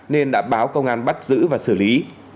nên đã báo công an bắt giữ và xử lý